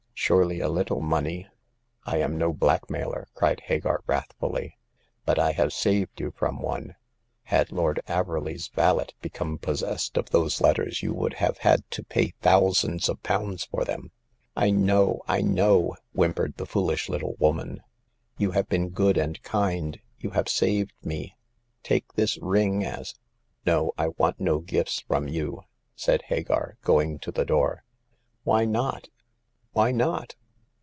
Surely a little money "I am no blackmailer !" cried Hagar, wrath fuUy; but I have saved you from one. Had Lord Averley's valet become possessed of those The Ninth Customer. 245 letters, you would have had to pay thousands of pounds for them/' " I know, I know," whimpered the foolish little woman. " You have been good and kind ; you have saved me. Take this ring as "" No I want no gifts from you," said Hagar, going to the door. " Why not— why not